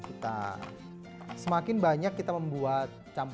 oh anda akhirnya sudah lihat guys